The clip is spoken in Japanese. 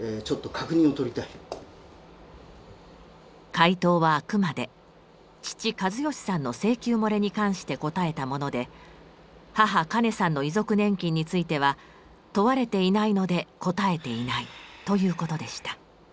回答はあくまで父・計義さんの請求もれに関して答えたもので母・カネさんの遺族年金については問われていないので答えていないということでした。